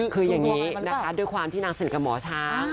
คืออย่างนี้นะคะด้วยความที่นางสนิทกับหมอช้าง